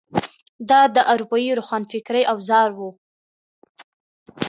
دا د اروپايي روښانفکرۍ اوزار وو.